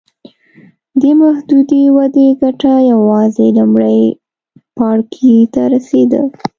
دې محدودې ودې ګټه یوازې لومړي پاړکي ته رسېده.